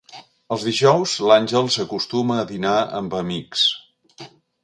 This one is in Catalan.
Els dijous l'Àngels acostuma a dinar amb amics.